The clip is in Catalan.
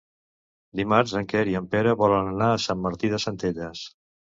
Dimarts en Quer i en Pere volen anar a Sant Martí de Centelles.